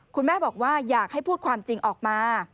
คุณแม่บอกว่าอยากให้พูดความจริงออกมา